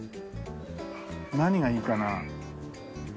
何がいいかな？